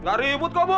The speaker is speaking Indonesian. gak ribut kok bu